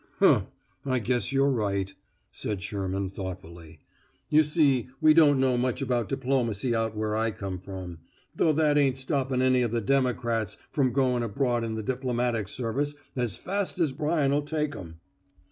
"Huh! I guess you're right," said Sherman thoughtfully. "You see we don't know much about diplomacy out where I come from. Though that ain't stopping any of the Democrats from going abroad in the Diplomatic Service as fast as Bryan'll take 'em."